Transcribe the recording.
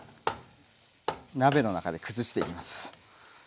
鍋の中でくずしていきます。